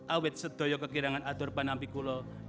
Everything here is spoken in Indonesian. awet sedoyo kekirangan atur panampikuloh